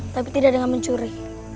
tapi tidak dengan mencuri